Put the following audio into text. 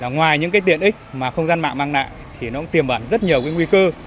ngoài những tiện ích mà không gian mạng mang lại thì nó cũng tiềm bản rất nhiều nguy cơ